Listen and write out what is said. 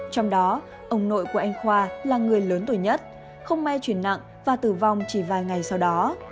trong đó ông nội của anh khoa là người lớn tuổi nhất không may chuyển nặng và tử vong chỉ vài ngày sau đó